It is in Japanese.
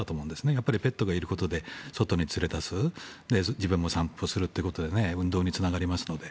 やっぱりペットがいることで外に連れ出す自分も散歩をするということで運動につながりますので。